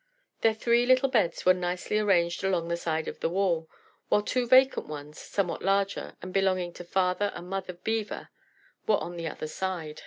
Their three little beds were nicely arranged along the side of the wall, while two vacant ones, somewhat larger, and belonging to Father and Mother Beaver, were on the other side.